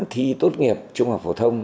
thi tốt nghiệp trung học phổ thông